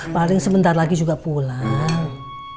paling sebentar lagi juga pulang